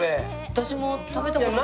私も食べた事ない。